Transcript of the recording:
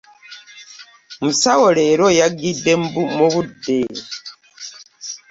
Musawo leero yagide mu budde.